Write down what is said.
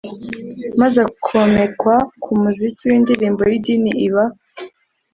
maze akomekwa ku muziki w'indirimbo y'idini iba